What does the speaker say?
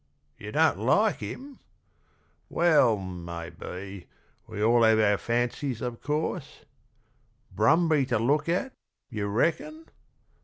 You don't like him; well, maybe we all have our fancies, of course: Brumby to look at you reckon?